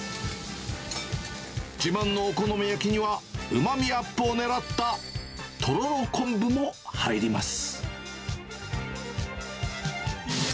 自慢のお好み焼きには、うまみアップを狙った、とろろ昆布も入ります。